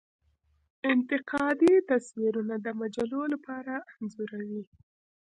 انتقادي تصویرونه د مجلو لپاره انځوروي.